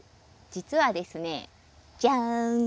実はですねジャーン！